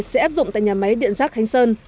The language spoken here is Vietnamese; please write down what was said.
sẽ áp dụng tại nhà máy điện rác khánh sơn